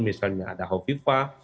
misalnya ada hovifah